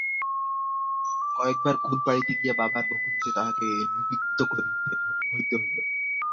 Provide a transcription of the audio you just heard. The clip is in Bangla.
কয়েকবার কুল পাড়িতে গিয়া বাবার বকুনিতে তাহাকে নিবৃত্ত হইতে হইল।